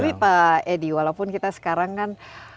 tapi pak edi walaupun kita sekarang kan